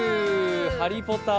「ハリー・ポッター」